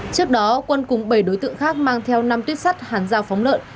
trước đó quân cúng bảy đối tượng khác mang theo năm tuyết sắt hàn giao phóng lợn